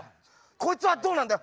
こいつはどうなんだよ。